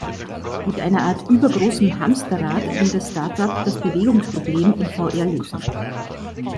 Mit einer Art übergroßem Hamsterrad, will das Startup das Bewegungsproblem in VR lösen.